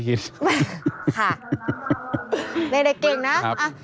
กินขออาหาร